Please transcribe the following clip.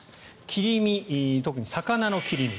切り身、特に魚の切り身。